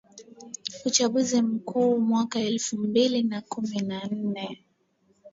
uchaguzi mkuu wa mwaka elfu mbili na kumi na nane